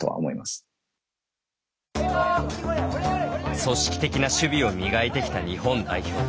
組織的な守備を磨いてきた日本代表。